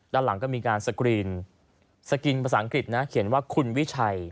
ด้านหลังก็มีการสกรีนสกรีนภาษาอังกฤษนะเขียนว่าคุณวิชัย